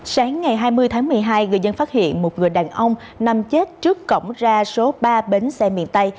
sáng ngày hai mươi tháng một mươi hai người dân phát hiện một người đàn ông nằm chết trước cổng ra số ba bến xe miền tây